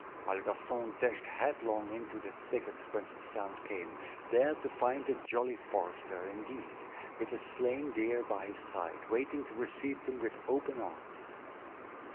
while Gaston dashed headlong into the thicket whence the sound came, there to find the jolly forester, indeed, with a slain deer by his side, waiting to receive them with open arms.